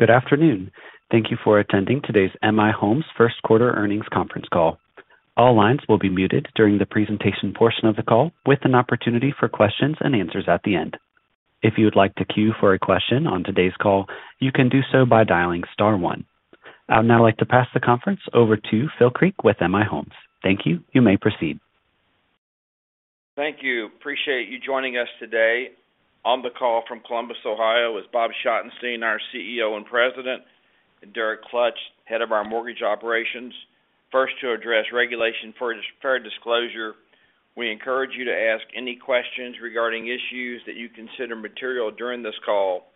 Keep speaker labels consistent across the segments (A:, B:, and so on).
A: Good afternoon. Thank you for attending today's M/I Homes First Quarter Earnings conference call. All lines will be muted during the presentation portion of the call, with an opportunity for questions and answers at the end. If you would like to queue for a question on today's call, you can do so by dialing star one. I'd now like to pass the conference over to Phil Creek with M/I Homes. Thank you. You may proceed.
B: Thank you. Appreciate you joining us today. On the call from Columbus, Ohio is Bob Schottenstein, our CEO and President, and Derek Klutch, head of our mortgage operations. First, to address Regulation Fair Disclosure, we encourage you to ask any questions regarding issues that you consider material during this call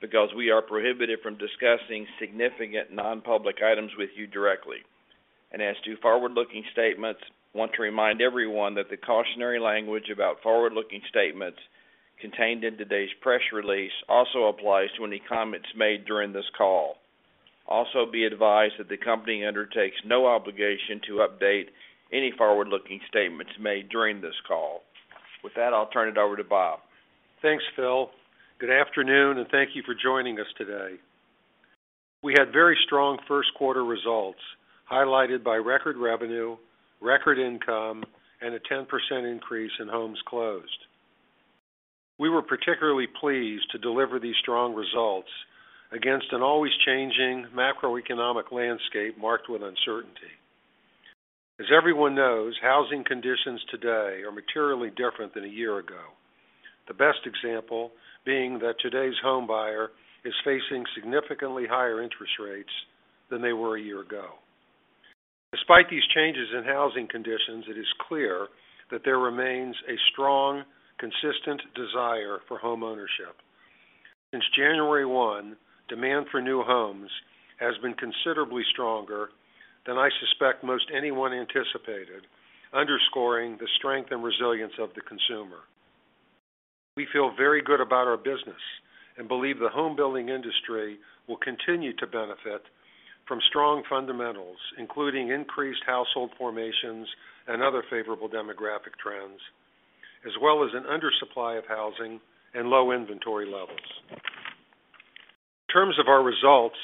B: because we are prohibited from discussing significant non-public items with you directly. As to forward-looking statements, want to remind everyone that the cautionary language about forward-looking statements contained in today's press release also applies to any comments made during this call. Also, be advised that the company undertakes no obligation to update any forward-looking statements made during this call. With that, I'll turn it over to Bob.
C: Thanks, Phil. Good afternoon, thank you for joining us today. We had very strong first quarter results, highlighted by record revenue, record income, and a 10% increase in homes closed. We were particularly pleased to deliver these strong results against an always-changing macroeconomic landscape marked with uncertainty. As everyone knows, housing conditions today are materially different than a year ago. The best example being that today's homebuyer is facing significantly higher interest rates than they were a year ago. Despite these changes in housing conditions, it is clear that there remains a strong, consistent desire for homeownership. Since January 1, demand for new homes has been considerably stronger than I suspect most anyone anticipated, underscoring the strength and resilience of the consumer. We feel very good about our business and believe the home building industry will continue to benefit from strong fundamentals, including increased household formations and other favorable demographic trends, as well as an undersupply of housing and low inventory levels. In terms of our results,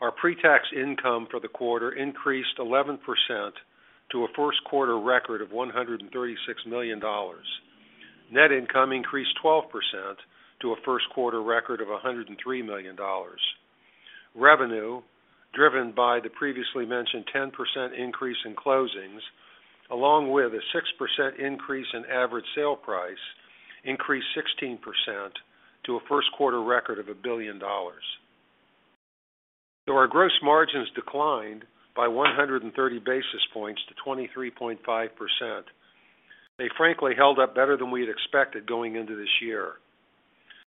C: our pre-tax income for the quarter increased 11% to a first quarter record of $136 million. Net income increased 12% to a first quarter record of $103 million. Revenue, driven by the previously mentioned 10% increase in closings, along with a 6% increase in average sale price, increased 16% to a first quarter record of $1 billion. Though our gross margins declined by 130 basis points to 23.5%, they frankly held up better than we had expected going into this year.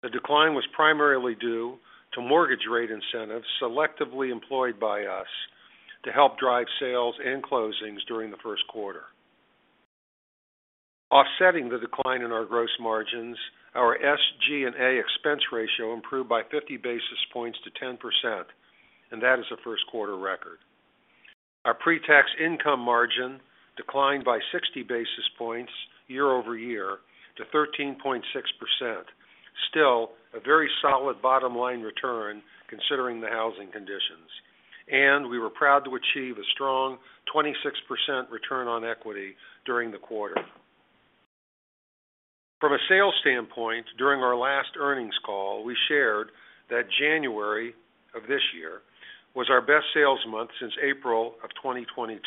C: The decline was primarily due to mortgage rate incentives selectively employed by us to help drive sales and closings during the first quarter. Offsetting the decline in our gross margins, our SG&A expense ratio improved by 50 basis points to 10%. That is a first quarter record. Our pre-tax income margin declined by 60 basis points year-over-year to 13.6%. Still, a very solid bottom-line return considering the housing conditions. We were proud to achieve a strong 26% return on equity during the quarter. From a sales standpoint, during our last earnings call, we shared that January of this year was our best sales month since April of 2022.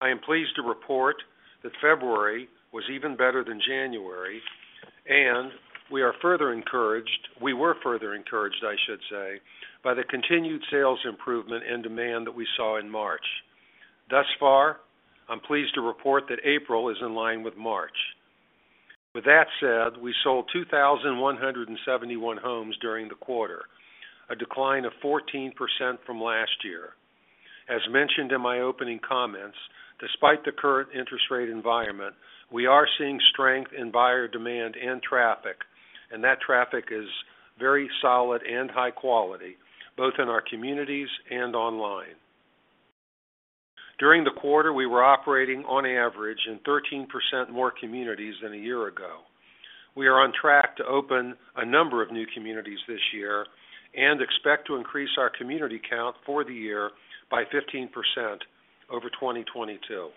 C: I am pleased to report that February was even better than January. We are further encouraged... we were further encouraged, I should say, by the continued sales improvement and demand that we saw in March. Thus far, I'm pleased to report that April is in line with March. With that said, we sold 2,171 homes during the quarter, a decline of 14% from last year. As mentioned in my opening comments, despite the current interest rate environment, we are seeing strength in buyer demand and traffic, and that traffic is very solid and high quality, both in our communities and online. During the quarter, we were operating on average in 13% more communities than a year ago. We are on track to open a number of new communities this year and expect to increase our community count for the year by 15% over 2022.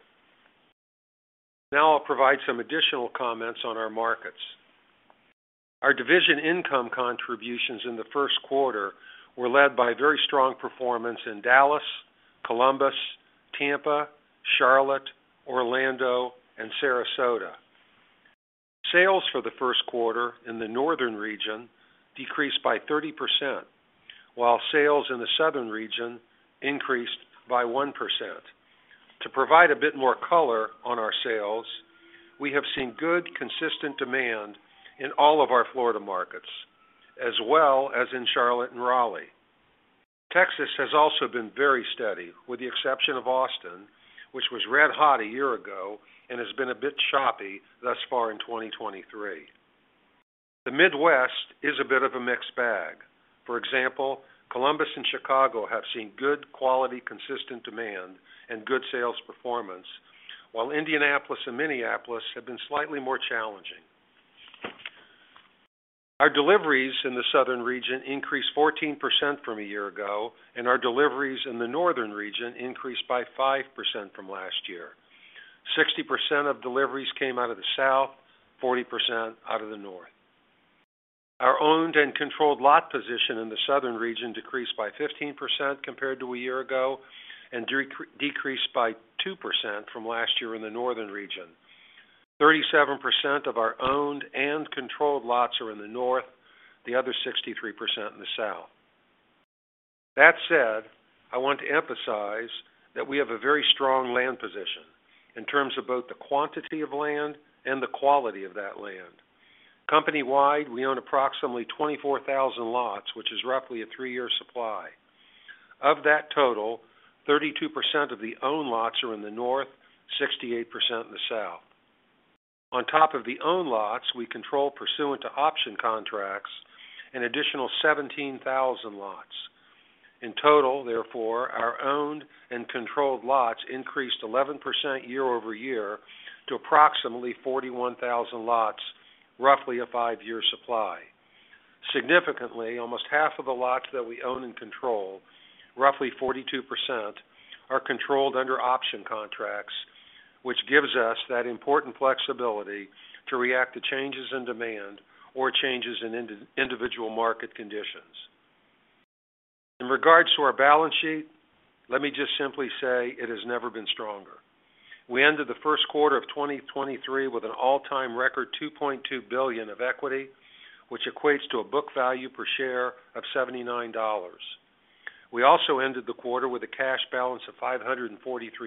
C: Now I'll provide some additional comments on our markets. Our division income contributions in the first quarter were led by very strong performance in Dallas, Columbus, Tampa, Charlotte, Orlando, and Sarasota. Sales for the first quarter in the northern region decreased by 30%, while sales in the southern region increased by 1%. To provide a bit more color on our sales, we have seen good, consistent demand in all of our Florida markets, as well as in Charlotte and Raleigh. Texas has also been very steady, with the exception of Austin, which was red hot a year ago and has been a bit choppy thus far in 2023. The Midwest is a bit of a mixed bag. For example, Columbus and Chicago have seen good quality, consistent demand and good sales performance, while Indianapolis and Minneapolis have been slightly more challenging. Our deliveries in the southern region increased 14% from a year ago, and our deliveries in the northern region increased by 5% from last year. 60% of deliveries came out of the south, 40% out of the north. Our owned and controlled lot position in the southern region decreased by 15% compared to a year ago, and decreased by 2% from last year in the northern region. 37% of our owned and controlled lots are in the north, the other 63% in the south. That said, I want to emphasize that we have a very strong land position in terms of both the quantity of land and the quality of that land. Company-wide, we own approximately 24,000 lots, which is roughly a 3-year supply. Of that total, 32% of the owned lots are in the north, 68% in the south. On top of the owned lots, we control, pursuant to option contracts, an additional 17,000 lots. In total, therefore, our owned and controlled lots increased 11% year-over-year to approximately 41,000 lots, roughly a 5-year supply. Significantly, almost half of the lots that we own and control, roughly 42%, are controlled under option contracts, which gives us that important flexibility to react to changes in demand or changes in individual market conditions. In regards to our balance sheet, let me just simply say it has never been stronger. We ended the first quarter of 2023 with an all-time record $2.2 billion of equity, which equates to a book value per share of $79. We also ended the quarter with a cash balance of $543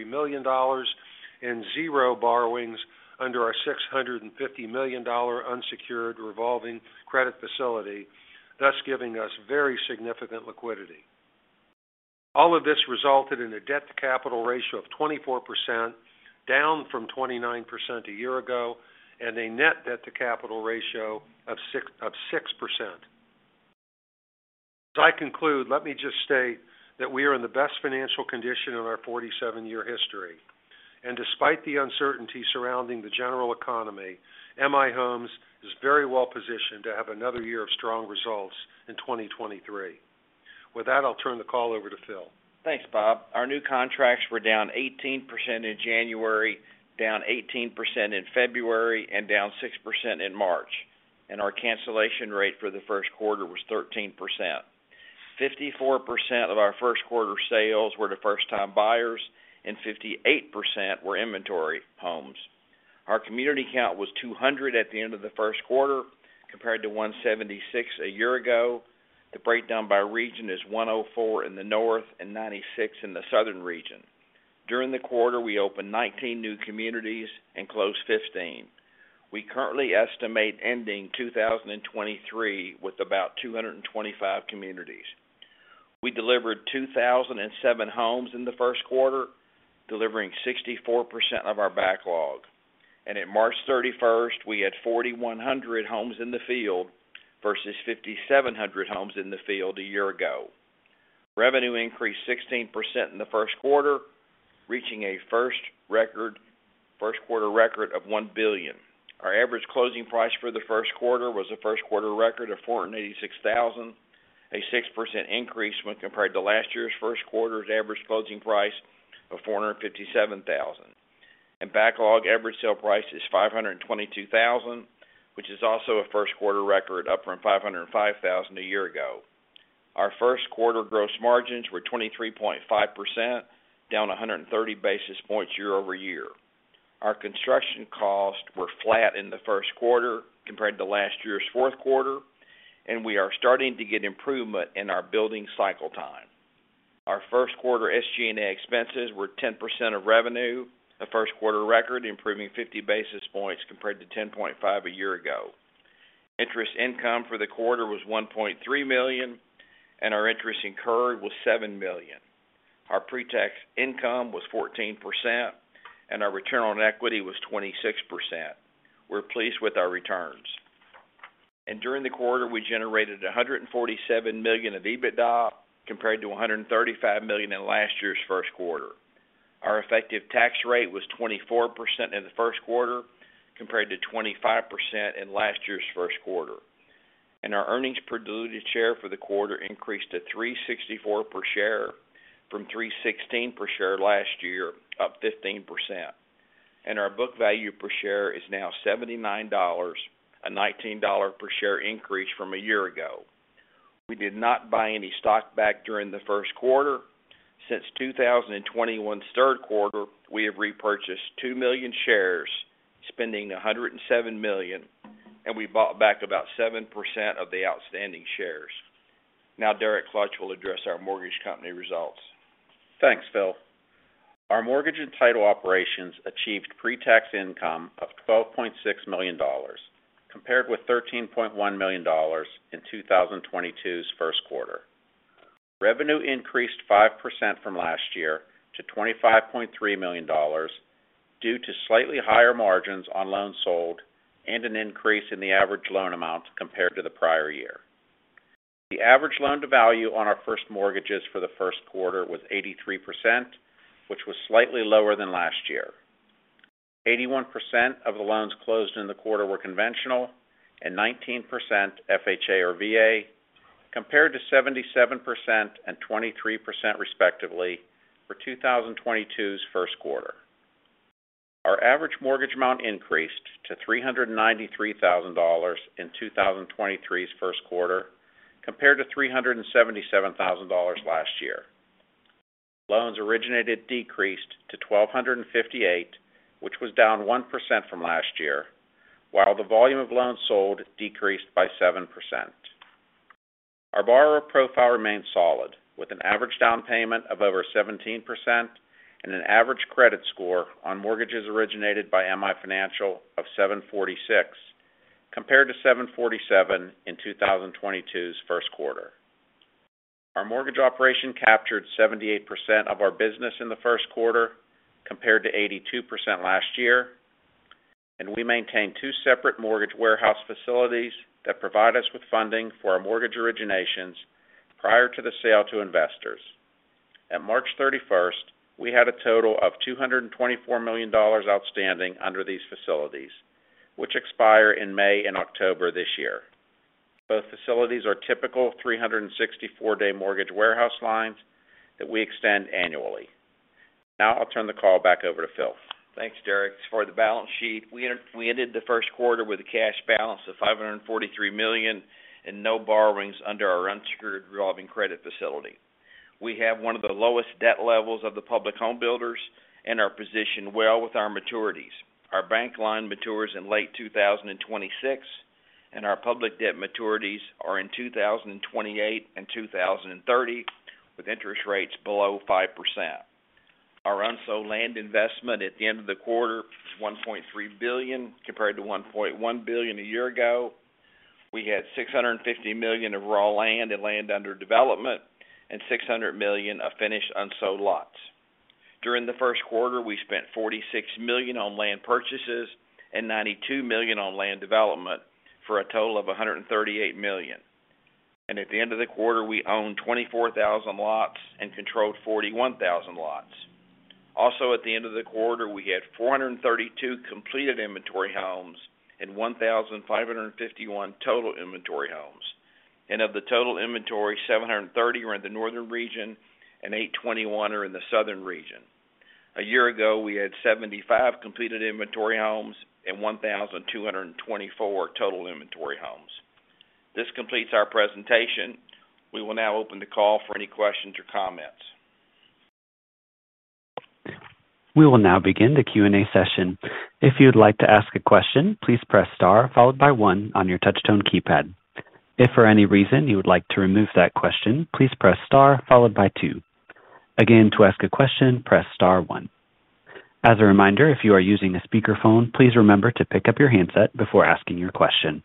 C: million and 0 borrowings under our $650 million unsecured revolving credit facility, thus giving us very significant liquidity. All of this resulted in a debt-to-capital ratio of 24%, down from 29% a year ago, and a net debt-to-capital ratio of 6%. As I conclude, let me just state that we are in the best financial condition in our 47-year history. Despite the uncertainty surrounding the general economy, M/I Homes is very well-positioned to have another year of strong results in 2023. With that, I'll turn the call over to Phil.
B: Thanks, Bob. Our new contracts were down 18% in January, down 18% in February, and down 6% in March. Our cancellation rate for the first quarter was 13%. 54% of our first quarter sales were to first-time buyers and 58% were inventory homes. Our community count was 200 at the end of the first quarter, compared to 176 a year ago. The breakdown by region is 104 in the north and 96 in the southern region. During the quarter, we opened 19 new communities and closed 15. We currently estimate ending 2023 with about 225 communities. We delivered 2,007 homes in the first quarter, delivering 64% of our backlog. At March thirty-first, we had 4,100 homes in the field versus 5,700 homes in the field a year ago. Revenue increased 16% in the first quarter, reaching a first record, first quarter record of $1 billion. Our average closing price for the first quarter was a first quarter record of $486,000, a 6% increase when compared to last year's first quarter's average closing price of $457,000. Backlog average sale price is $522,000, which is also a first quarter record, up from $505,000 a year ago. Our first quarter gross margins were 23.5%, down 130 basis points year-over-year. Our construction costs were flat in the first quarter compared to last year's fourth quarter, and we are starting to get improvement in our building cycle time. Our first quarter SG&A expenses were 10% of revenue, a first quarter record, improving 50 basis points compared to 10.5 a year ago. Interest income for the quarter was $1.3 million, and our interest incurred was $7 million. Our pre-tax income was 14%, and our return on equity was 26%. We're pleased with our returns. During the quarter, we generated $147 million of EBITDA, compared to $135 million in last year's first quarter. Our effective tax rate was 24% in the first quarter, compared to 25% in last year's first quarter. Our earnings per diluted share for the quarter increased to $3.64 per share from $3.16 per share last year, up 15%. Our book value per share is now $79, a $19 per share increase from a year ago. We did not buy any stock back during the first quarter. Since 2021's third quarter, we have repurchased 2 million shares, spending $107 million, and we bought back about 7% of the outstanding shares. Derek Klutch will address our mortgage company results.
D: Thanks, Phil. Our mortgage and title operations achieved pre-tax income of $12.6 million compared with $13.1 million in 2022's first quarter. Revenue increased 5% from last year to $25.3 million due to slightly higher margins on loans sold and an increase in the average loan amounts compared to the prior year. The average loan-to-value on our first mortgages for the first quarter was 83%, which was slightly lower than last year. 81% of the loans closed in the quarter were conventional and 19% FHA or VA, compared to 77% and 23% respectively for 2022's first quarter. Our average mortgage amount increased to $393,000 in 2023's first quarter, compared to $377,000 last year. Loans originated decreased to 1,258, which was down 1% from last year, while the volume of loans sold decreased by 7%. Our borrower profile remained solid with an average down payment of over 17% and an average credit score on mortgages originated by M/I Financial of 746, compared to 747 in 2022's first quarter. Our mortgage operation captured 78% of our business in the first quarter, compared to 82% last year. We maintain two separate mortgage warehouse facilities that provide us with funding for our mortgage originations prior to the sale to investors. At March 31st, we had a total of $224 million outstanding under these facilities, which expire in May and October this year. Both facilities are typical 364-day mortgage warehouse lines that we extend annually. I'll turn the call back over to Phil.
B: Thanks, Derek. As for the balance sheet, we ended the first quarter with a cash balance of $543 million and no borrowings under our unsecured revolving credit facility. We have one of the lowest debt levels of the public home builders and are positioned well with our maturities. Our bank line matures in late 2026, and our public debt maturities are in 2028 and 2030 with interest rates below 5%. Our unsold land investment at the end of the quarter was $1.3 billion, compared to $1.1 billion a year ago. We had $650 million of raw land and land under development and $600 million of finished unsold lots. During the first quarter, we spent $46 million on land purchases and $92 million on land development, for a total of $138 million. At the end of the quarter, we owned 24,000 lots and controlled 41,000 lots. Also, at the end of the quarter, we had 432 completed inventory homes and 1,551 total inventory homes. Of the total inventory, 730 were in the northern region and 821 are in the southern region. A year ago, we had 75 completed inventory homes and 1,224 total inventory homes. This completes our presentation. We will now open the call for any questions or comments.
A: We will now begin the Q&A session. If you'd like to ask a question, please press star followed by one on your touch tone keypad. If for any reason you would like to remove that question, please press star followed by two. Again, to ask a question, press star one. As a reminder, if you are using a speakerphone, please remember to pick up your handset before asking your question.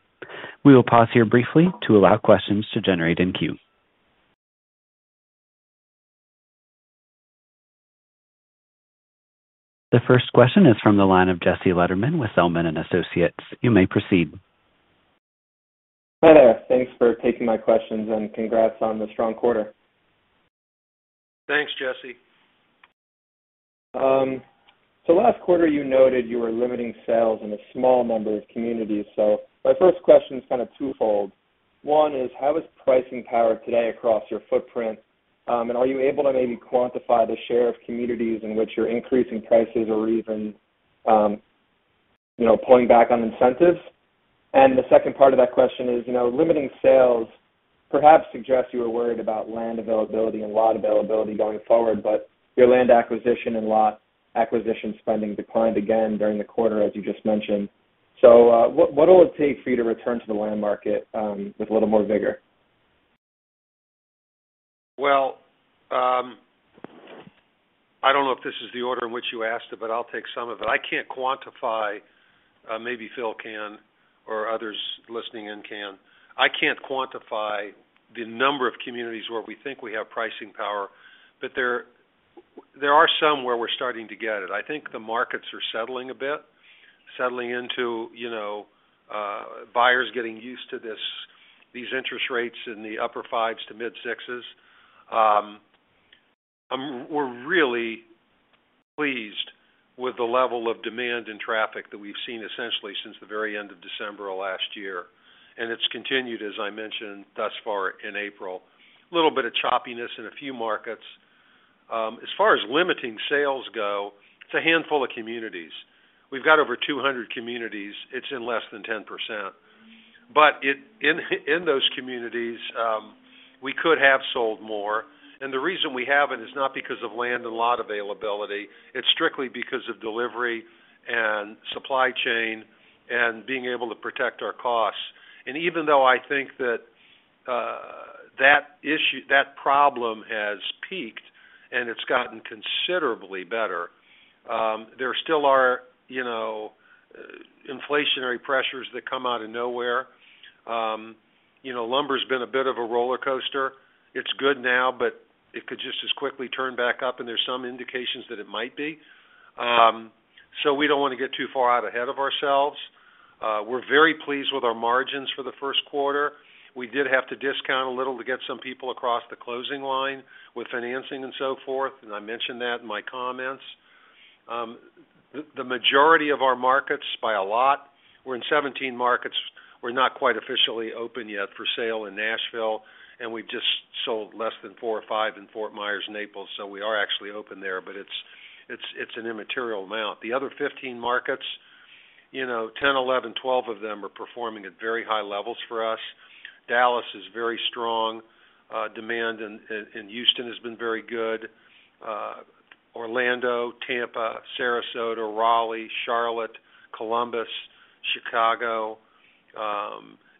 A: We will pause here briefly to allow questions to generate in queue. The first question is from the line of Jesse Lederman with Zelman & Associates. You may proceed.
E: Hi there. Thanks for taking my questions and congrats on the strong quarter.
D: Thanks, Jesse.
E: Last quarter you noted you were limiting sales in a small number of communities. My first question is kind of twofold. One is, how is pricing power today across your footprint? And are you able to maybe quantify the share of communities in which you're increasing prices or even, you know, pulling back on incentives? The second part of that question is, you know, limiting sales perhaps suggests you were worried about land availability and lot availability going forward, but your land acquisition and lot acquisition spending declined again during the quarter, as you just mentioned. What will it take for you to return to the land market, with a little more vigor?
D: I don't know if this is the order in which you asked it, but I'll take some of it. I can't quantify, maybe Phil can or others listening in can. I can't quantify the number of communities where we think we have pricing power, but there are some where we're starting to get it. I think the markets are settling a bit, settling into, you know, buyers getting used to this, these interest rates in the upper 5s to mid 6s. We're really pleased with the level of demand and traffic that we've seen essentially since the very end of December of last year, and it's continued, as I mentioned thus far in April. Little bit of choppiness in a few markets. As far as limiting sales go, it's a handful of communities. We've got over 200 communities. It's in less than 10%. In those communities, we could have sold more, and the reason we haven't is not because of land and lot availability. It's strictly because of delivery and supply chain and being able to protect our costs. Even though I think that issue, that problem has peaked and it's gotten considerably better, there still are, you know, inflationary pressures that come out of nowhere. You know, lumber's been a bit of a roller coaster. It's good now, but
C: It could just as quickly turn back up. There's some indications that it might be. We don't want to get too far out ahead of ourselves. We're very pleased with our margins for the first quarter. We did have to discount a little to get some people across the closing line with financing and so forth. I mentioned that in my comments. The majority of our markets by a lot, we're in 17 markets. We're not quite officially open yet for sale in Nashville. We've just sold less than 4 or 5 in Fort Myers, Naples. We are actually open there, but it's an immaterial amount. The other 15 markets, you know, 10, 11, 12 of them are performing at very high levels for us. Dallas is very strong. Demand in Houston has been very good. Orlando, Tampa, Sarasota, Raleigh, Charlotte, Columbus, Chicago,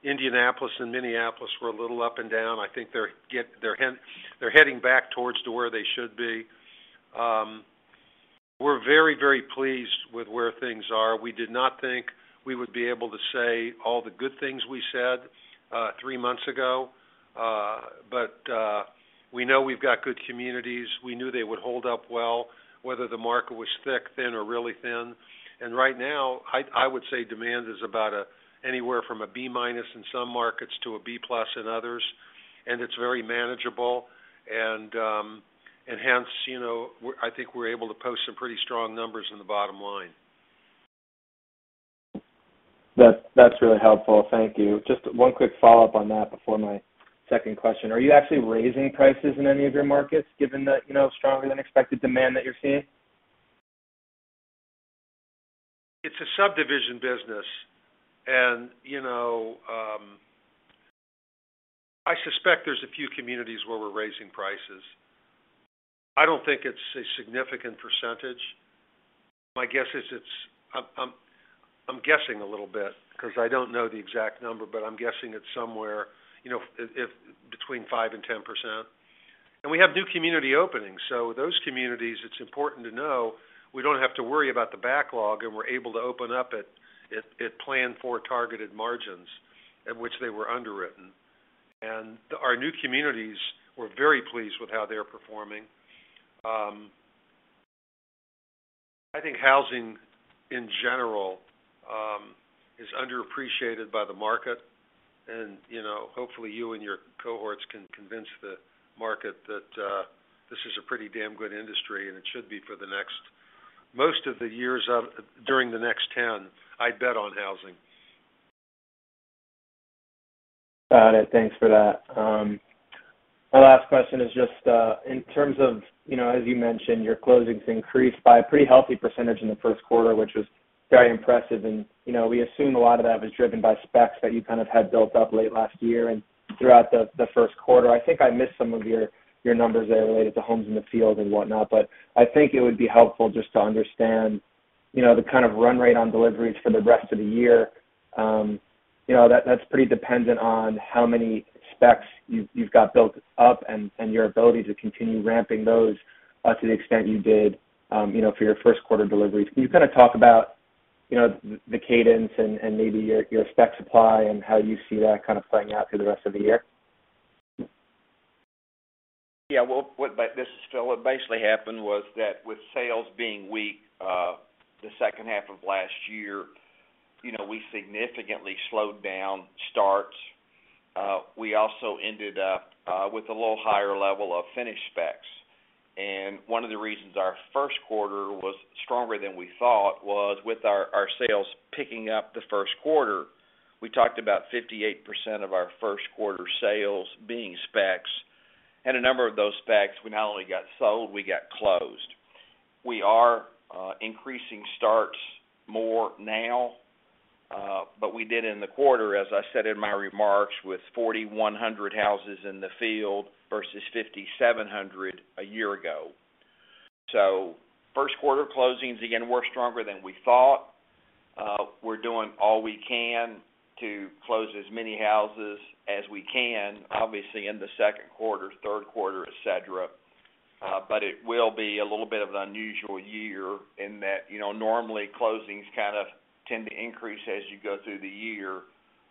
C: Indianapolis and Minneapolis were a little up and down. I think they're heading back towards to where they should be. We're very, very pleased with where things are. We did not think we would be able to say all the good things we said, three months ago. We know we've got good communities. We knew they would hold up well, whether the market was thick, thin, or really thin. Right now, I would say demand is about a, anywhere from a B-minus in some markets to a B-plus in others, and it's very manageable. Hence, you know, we're, I think we're able to post some pretty strong numbers in the bottom line.
E: That's really helpful. Thank you. Just one quick follow-up on that before my second question. Are you actually raising prices in any of your markets given that, you know, stronger than expected demand that you're seeing?
C: It's a subdivision business and, you know, I suspect there's a few communities where we're raising prices. I don't think it's a significant percentage. My guess is it's I'm guessing a little bit because I don't know the exact number, but I'm guessing it's somewhere, you know, if between 5% and 10%. We have new community openings. Those communities, it's important to know we don't have to worry about the backlog, and we're able to open up at plan four targeted margins at which they were underwritten. Our new communities, we're very pleased with how they're performing. I think housing in general, is underappreciated by the market and, you know, hopefully, you and your cohorts can convince the market that, this is a pretty damn good industry, and it should be for the next most of the years of, during the next 10, I'd bet on housing.
E: Got it. Thanks for that. My last question is just in terms of, you know, as you mentioned, your closings increased by a pretty healthy percentage in the first quarter, which was very impressive. You know, we assume a lot of that was driven by specs that you kind of had built up late last year and throughout the first quarter. I think I missed some of your numbers there related to homes in the field and whatnot. I think it would be helpful just to understand, you know, the kind of run rate on deliveries for the rest of the year. You know, that's pretty dependent on how many specs you've got built up and your ability to continue ramping those to the extent you did, you know, for your first quarter deliveries. Can you kind of talk about, you know, the cadence and maybe your spec supply and how you see that kind of playing out through the rest of the year?
B: Well, this is Phil. What basically happened was that with sales being weak, the second half of last year, you know, we significantly slowed down starts. We also ended up with a little higher level of finished specs. One of the reasons our first quarter was stronger than we thought was with our sales picking up the first quarter. We talked about 58% of our first quarter sales being specs, and a number of those specs we not only got sold, we got closed. We are increasing starts more now, but we did in the quarter, as I said in my remarks, with 4,100 houses in the field versus 5,700 a year ago. First quarter closings, again, were stronger than we thought. We're doing all we can to close as many houses as we can, obviously, in the second quarter, third quarter, et cetera. It will be a little bit of an unusual year in that, you know, normally closings kind of tend to increase as you go through the year.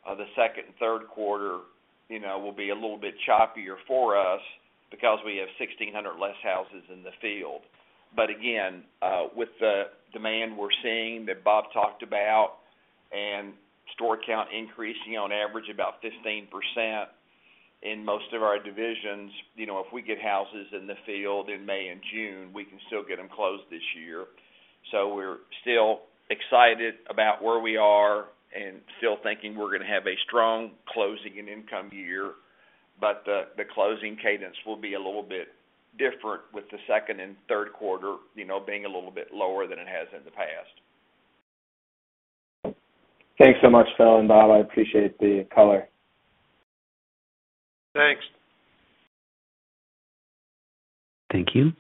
B: The second and third quarter, you know, will be a little bit choppier for us because we have 1,600 less houses in the field. Again, with the demand we're seeing that Bob talked about and store count increasing on average about 15% in most of our divisions, you know, if we get houses in the field in May and June, we can still get them closed this year. We're still excited about where we are and still thinking we're going to have a strong closing and income year. The closing cadence will be a little bit different with the second and third quarter, you know, being a little bit lower than it has in the past.
E: Thanks so much, Phil and Bob. I appreciate the color.
C: Thanks.
A: Thank you.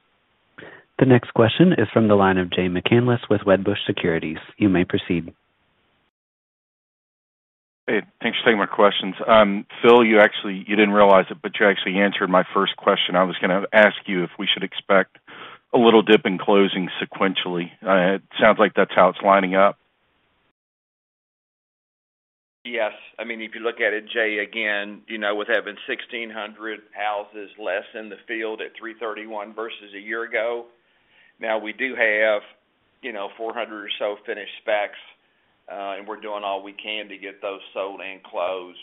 A: The next question is from the line of Jay McCanless with Wedbush Securities. You may proceed.
F: Hey, thanks for taking my questions. Phil, you actually, you didn't realize it, but you actually answered my first question. I was gonna ask you if we should expect a little dip in closing sequentially. It sounds like that's how it's lining up.
B: Yes. I mean, if you look at it, Jay, again, you know, with having 1,600 houses less in the field at 331 versus a year ago. Now we do have, you know, 400 or so finished specs, and we're doing all we can to get those sold and closed.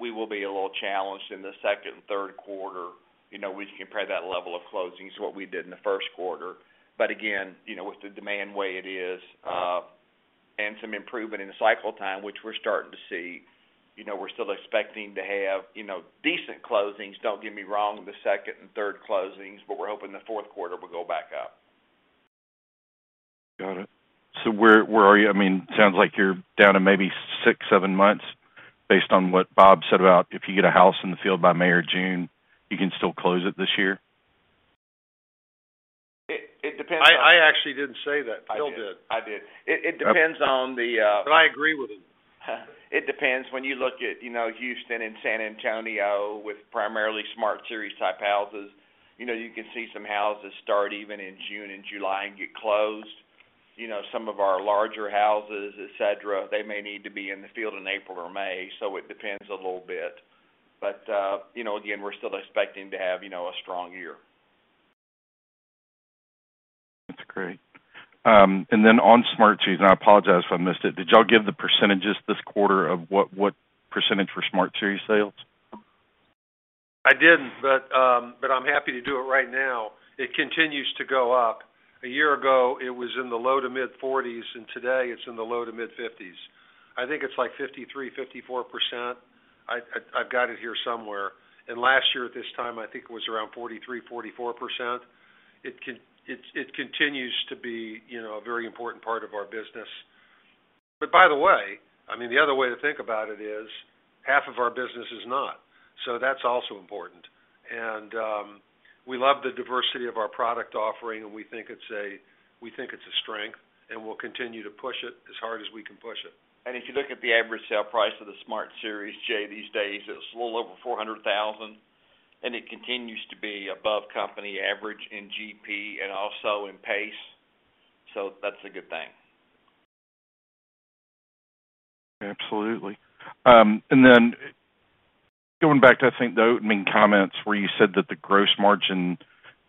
B: We will be a little challenged in the second and third quarter. You know, we compare that level of closings to what we did in the first quarter. Again, you know, with the demand way it is, and some improvement in the cycle time, which we're starting to see, you know, we're still expecting to have, you know, decent closings, don't get me wrong, in the second and third closings, but we're hoping the fourth quarter will go back up.
F: Got it. Where are you? I mean, sounds like you're down to maybe six, seven months based on what Bob said about if you get a house in the field by May or June, you can still close it this year.
B: It depends on...
C: I actually didn't say that. Phil did.
B: I did. It depends on the.
C: I agree with him.
B: It depends. When you look at, you know, Houston and San Antonio with primarily Smart Series type houses, you know, you can see some houses start even in June and July and get closed. You know, some of our larger houses, et cetera, they may need to be in the field in April or May, so it depends a little bit. You know, again, we're still expecting to have, you know, a strong year.
F: That's great. On Smart Series, and I apologize if I missed it, did y'all give the percentages this quarter of what percentage for Smart Series sales?
C: I didn't, but I'm happy to do it right now. It continues to go up. A year ago, it was in the low to mid-40s, and today it's in the low to mid-50s. I think it's like 53%, 54%. I've got it here somewhere. Last year at this time, I think it was around 43%, 44%. It continues to be, you know, a very important part of our business. By the way, I mean, the other way to think about it is, half of our business is not. That's also important. We love the diversity of our product offering, and we think it's a strength, and we'll continue to push it as hard as we can push it.
B: If you look at the average sale price of the Smart Series, Jay, these days, it's a little over $400,000, and it continues to be above company average in GP and also in pace. That's a good thing.
F: Absolutely. Then going back to, I think, the opening comments where you said that the gross margin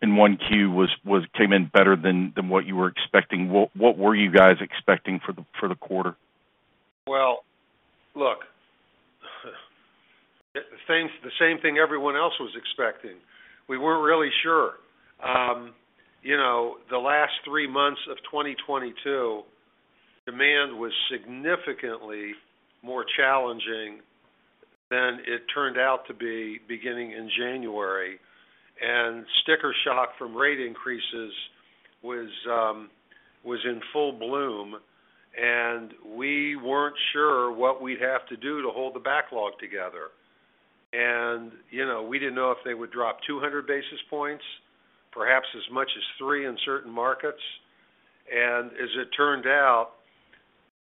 F: in 1Q was came in better than what you were expecting. What were you guys expecting for the quarter?
C: Well, look, the things, the same thing everyone else was expecting. We weren't really sure. You know, the last 3 months of 2022, demand was significantly more challenging than it turned out to be beginning in January. Sticker shock from rate increases was in full bloom, and we weren't sure what we'd have to do to hold the backlog together. You know, we didn't know if they would drop 200 basis points, perhaps as much as 3 in certain markets. As it turned out,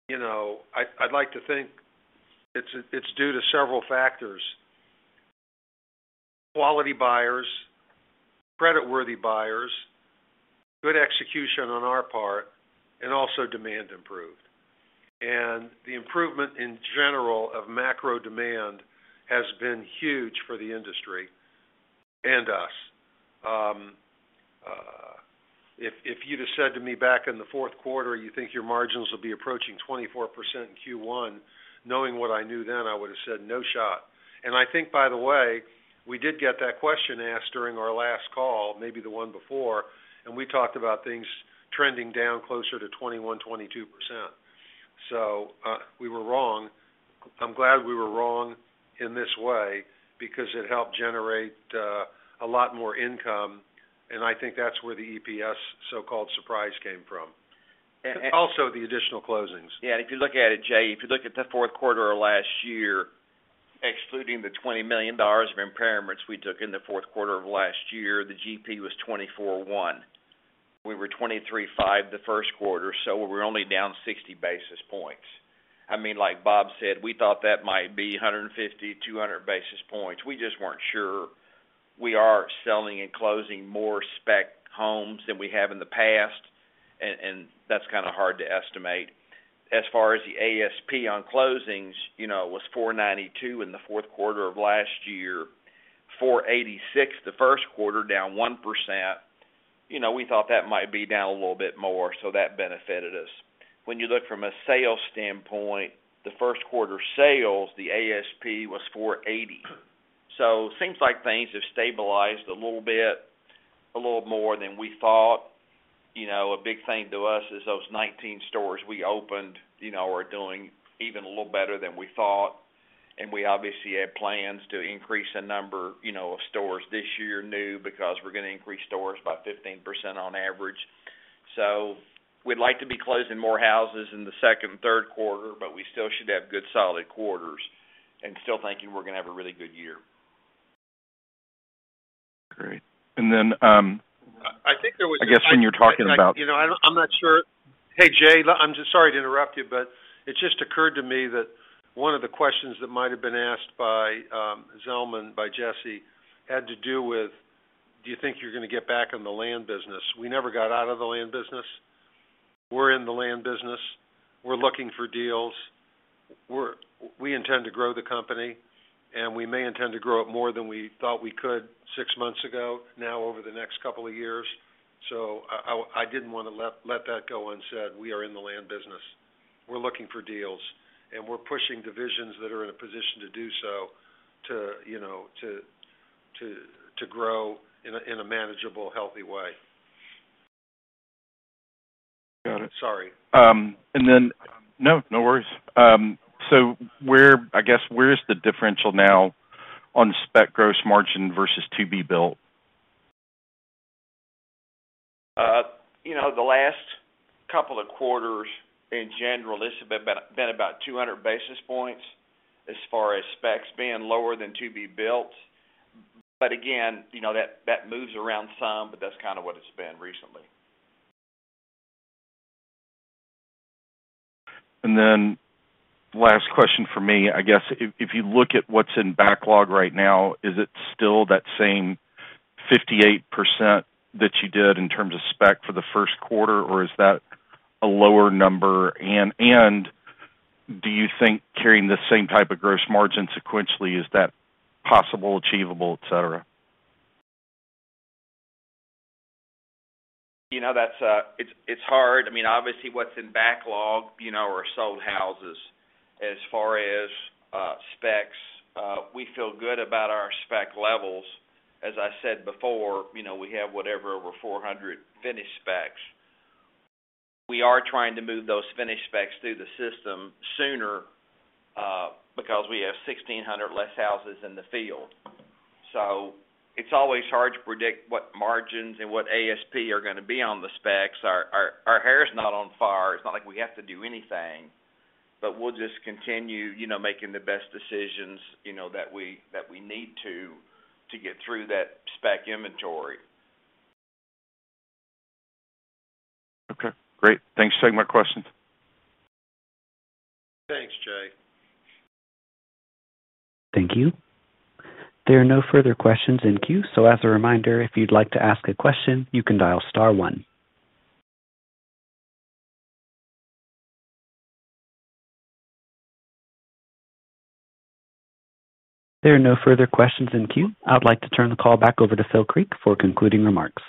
C: you know, I'd like to think it's due to several factors: quality buyers, creditworthy buyers, good execution on our part, and also demand improved. The improvement in general of macro demand has been huge for the industry and us. If you'd have said to me back in the fourth quarter, "You think your margins will be approaching 24% in Q1?" knowing what I knew then, I would have said, "No shot." I think by the way, we did get that question asked during our last call, maybe the one before, we talked about things trending down closer to 21%-22%. We were wrong. I'm glad we were wrong in this way because it helped generate a lot more income, I think that's where the EPS so-called surprise came from.
B: And-
C: The additional closings.
B: If you look at it, Jay McCanless, if you look at the fourth quarter of last year, excluding the $20 million of impairments we took in the fourth quarter of last year, the GP was 24.1%. We were 23.5% the first quarter, we're only down 60 basis points. I mean, like Bob said, we thought that might be 150, 200 basis points. We just weren't sure. We are selling and closing more spec homes than we have in the past, and that's kinda hard to estimate. As far as the ASP on closings, you know, was $492,000 in the fourth quarter of last year, $486,000 the first quarter, down 1%. You know, we thought that might be down a little bit more, that benefited us. When you look from a sales standpoint, the first quarter sales, the ASP was $480. Seems like things have stabilized a little bit, a little more than we thought. You know, a big thing to us is those 19 stores we opened, you know, are doing even a little better than we thought. We obviously have plans to increase the number, you know, of stores this year new because we're gonna increase stores by 15% on average. We'd like to be closing more houses in the second and third quarter, but we still should have good solid quarters and still thinking we're gonna have a really good year.
F: Great.
C: I think there was.
F: I guess when you're talking about...
C: You know, I'm not sure. Hey, Jay, I'm so sorry to interrupt you, but it just occurred to me that one of the questions that might have been asked by Zelman, by Jesse, had to do with.
B: Do you think you're gonna get back in the land business? We never got out of the land business. We're in the land business. We're looking for deals. We intend to grow the company. We may intend to grow it more than we thought we could six months ago now over the next couple of years. I didn't want to let that go unsaid. We are in the land business. We're looking for deals. We're pushing divisions that are in a position to do so to, you know, to grow in a manageable, healthy way.
F: Got it.
B: Sorry.
F: No worries. Where, I guess, where is the differential now on spec gross margin versus to-be built?
B: You know, the last couple of quarters, in general, it's been about 200 basis points as far as specs being lower than to-be built. Again, you know, that moves around some, but that's kind of what it's been recently.
F: Last question for me. I guess if you look at what's in backlog right now, is it still that same 58% that you did in terms of spec for the first quarter, or is that a lower number? Do you think carrying the same type of gross margin sequentially, is that possible, achievable, et cetera?
B: You know, that's, it's hard. I mean, obviously what's in backlog, you know, are sold houses. As far as specs, we feel good about our spec levels. As I said before, you know, we have whatever, over 400 finished specs. We are trying to move those finished specs through the system sooner, because we have 1,600 less houses in the field. It's always hard to predict what margins and what ASP are gonna be on the specs. Our hair's not on fire. It's not like we have to do anything, but we'll just continue, you know, making the best decisions, you know, that we need to get through that spec inventory.
F: Okay, great. Thanks for taking my questions.
B: Thanks, Jay.
A: Thank you. There are no further questions in queue. As a reminder, if you'd like to ask a question, you can dial star one. There are no further questions in queue. I'd like to turn the call back over to Phil Creek for concluding remarks.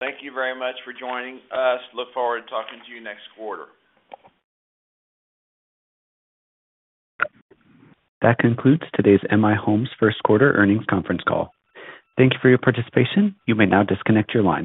B: Thank you very much for joining us. Look forward to talking to you next quarter.
A: That concludes today's M/I Homes first quarter earnings conference call. Thank you for your participation. You may now disconnect your line.